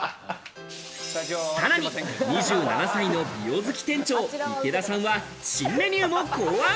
さらに２７歳の美容好き店長・池田さんは新メニューも考案。